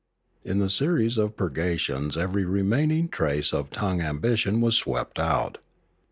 In the series of purgations every remaining trace of tongue ambition was swept out.